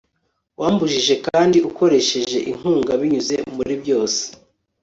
wambujije kandi ukoresheje inkunga binyuze muri byose